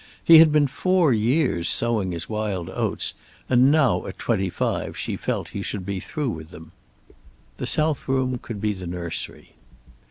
He had been four years sowing his wild oats, and now at twenty five she felt he should be through with them. The south room could be the nursery.